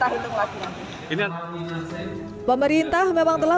saat hadiah dan kemudian kemudian kemudian kemudian kemudian kemudian kemudian kemudian kemudian